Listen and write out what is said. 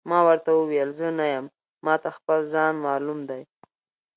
ما ورته وویل: زه نه یم، ما ته خپل ځان معلوم دی.